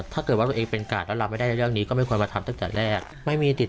ถ้าจริงแล้วเข้าใจได้ถูกต้องไหมคะพี่